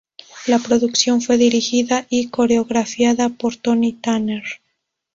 La producción fue dirigida y coreografiada por Tony Tanner.